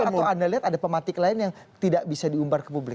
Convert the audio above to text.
atau anda lihat ada pematik lain yang tidak bisa diumbar ke publik